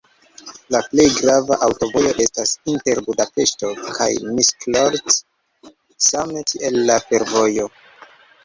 La plej grava aŭtovojo estas inter Budapeŝto kaj Miskolc, same tiel la fervojo.